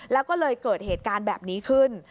แล้วก็เลยเกิดเหตุการณ์แบบนี้ขึ้น